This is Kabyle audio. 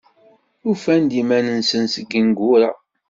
Ufan-d iman-nsen seg yineggura.